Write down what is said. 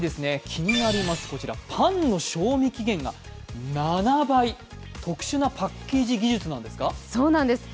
気になります、パンの賞味期限が７倍、特殊なパッケージ技術なんですか？